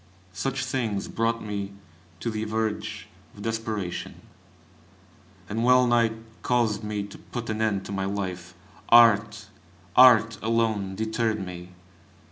Such things brought me to the verge of desperation, and wellnigh caused me to put an end to my life. Art! art alone, deterred me.